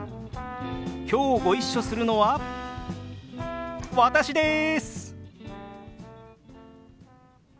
きょうご一緒するのは私です！